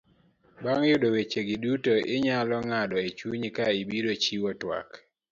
Bang' yudo weche gi duto, inyalo ng'ado e chunyi ka ibiro chiwo tuak.